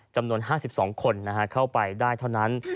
จำนวน๕๒คนเข้าไปได้เท่านั้น